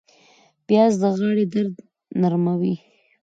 پیاز د غاړې درد نرموي